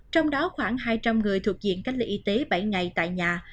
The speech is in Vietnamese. trong đó khoảng hai trăm linh người thuộc diện cách ly y tế bảy ngày tại nhà